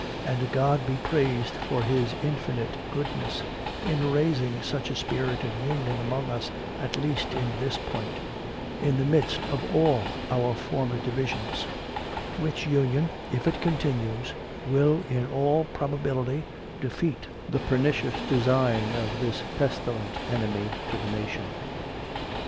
And God be praised for his infinite goodness, in raising such a spirit of union among us at least in this point, in the midst of all our former divisions; which union, if it continues, will in all probability defeat the pernicious design of this pestilent enemy to the nation."